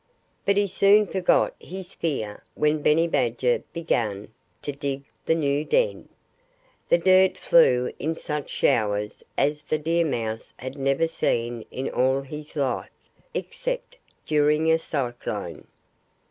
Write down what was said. But he soon forgot his fear when Benny Badger began to dig the new den. The dirt flew in such showers as the deer mouse had never seen in all his life except during a cyclone.